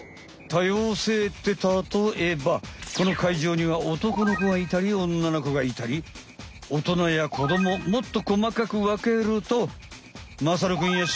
多様性ってたとえばこの会場には男の子がいたり女の子がいたり大人や子どももっとこまかくわけるとまさるくん